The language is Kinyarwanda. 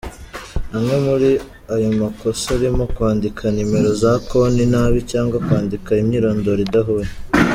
Amwe muri ayo makosa arimo kwandika nimero za konti nabi cyangwa kwandika imyirondoro idahuye.